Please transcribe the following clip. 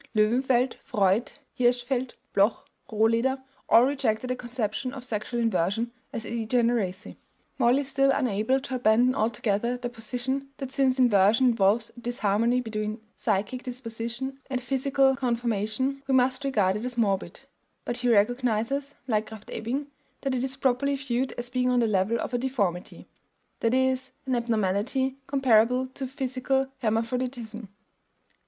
Löwenfeld, Freud, Hirschfeld, Bloch, Rohleder all reject the conception of sexual inversion as a degeneracy. Moll is still unable to abandon altogether the position that since inversion involves a disharmony between psychic disposition and physical conformation we must regard it as morbid, but he recognizes (like Krafft Ebing) that it is properly viewed as being on the level of a deformity, that is, an abnormality, comparable to physical hermaphroditism.